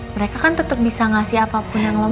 mereka kan tetep bisa ngasih apapun yang lo mau